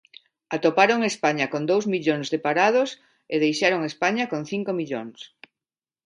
Atoparon España con dous millóns de parados e deixaron España con cinco millóns.